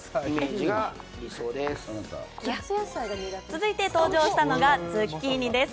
続いて登場したのがズッキーニです。